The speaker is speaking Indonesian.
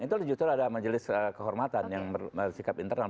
itu justru ada majelis kehormatan yang bersikap internal